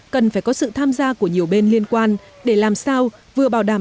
cần phải có sự tham gia của nhiều bên liên quan để làm sao vừa bảo đảm